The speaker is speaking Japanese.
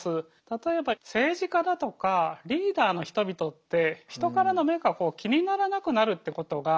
例えば政治家だとかリーダーの人々って人からの目が気にならなくなるってことがあるみたいです。